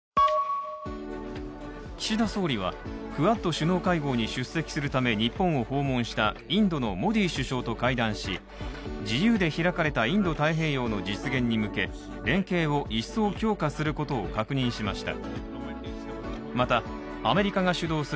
岸田総理はクアッド首脳会合に出席するため日本を訪問したインドのモディ首相と会談し、自由で開かれたインド太平洋の実現に向け連携を一層強化することを確認しました。